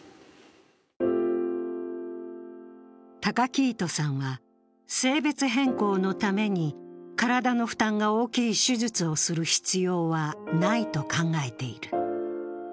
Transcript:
崇来人さんは性別変更のために体の負担が大きい手術をする必要はないと考えている。